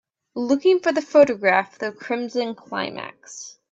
Looking for the photograph the Crimson Climax